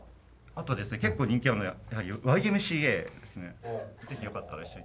あとですね結構人気あるのがやはり『Ｙ．Ｍ．Ｃ．Ａ．』ですね。ぜひよかったら一緒に。